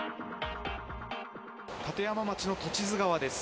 立山町の栃津川です。